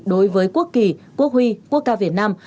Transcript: đối với quốc kỳ quốc huy quốc ca việt nam